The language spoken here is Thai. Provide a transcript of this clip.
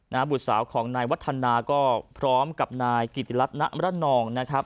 นะฮะบุษสาวของนายวัฒนาก็พร้อมกับหน่ายกิริฤทนระนองนะครับ